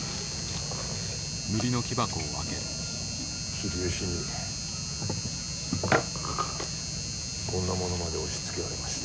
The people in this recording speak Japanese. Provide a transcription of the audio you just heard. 秀吉にこんなものまで押しつけられました。